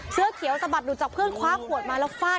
เสื้อเขียวสะบัดหลุดจากเพื่อนคว้าขวดมาแล้วฟาด